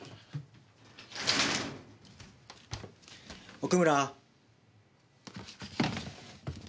奥村。